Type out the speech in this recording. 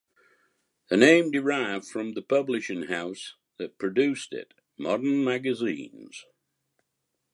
The name derived from the publishing house that produced it, Modern Magazines.